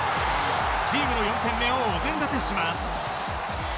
チームの４点目をお膳立てします。